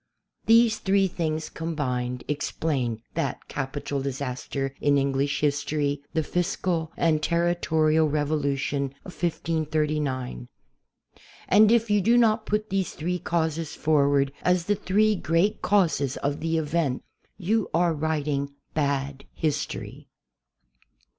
These three things combined explain that capital disaster in English history, the fiscal and ter ritorial revolution of 1539. And if you do not put these three causes forward as the three great causes of the event, you are writing bad history.